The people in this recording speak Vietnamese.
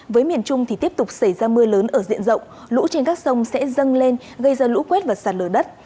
với miền trung thì tiếp tục xảy ra mưa lớn ở diện rộng lũ trên các sông sẽ dâng lên gây ra lũ quét và sạt lở đất